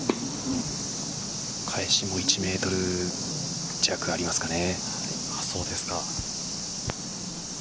返しも１メートル弱ありますかね。